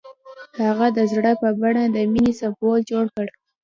هغه د زړه په بڼه د مینې سمبول جوړ کړ.